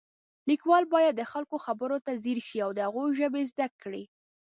لیکوال باید د خلکو خبرو ته ځیر شي او د هغوی ژبه زده کړي